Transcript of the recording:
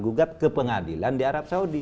gugat ke pengadilan di arab saudi